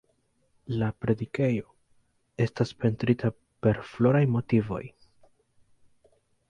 La predikejo estas pentrita per floraj motivoj.